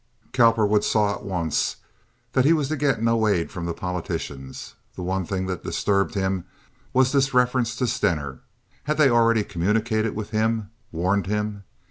Cowperwood saw at once that he was to get no aid from the politicians. The one thing that disturbed him was this reference to Stener. Had they already communicated with him—warned him?